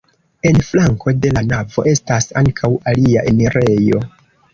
En flanko de la navo estas ankaŭ alia enirejo.